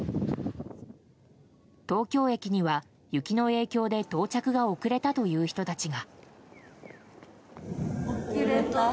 東京駅には雪の影響で到着が遅れたという人たちが。